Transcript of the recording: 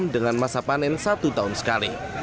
dengan masa panen satu tahun sekali